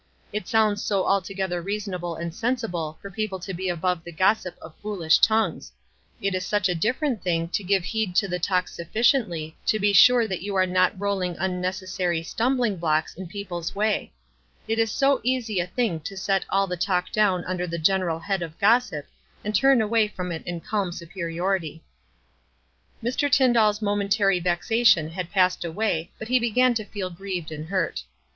It sounds so al together reasonable and sensible for people to be above the gossip of foolish tongues ; it is such a different thing to give heed to the talk suffi ciently to be sure that you are not rolling un necessary stumbling blocks In people's way ; it is so easy a thing to set all the talk down under the general head of gossip, and turn away from it ill calm superiority. Mr. TyndalPs momentary vexation had passed away, but he began to feel grieved and hurt.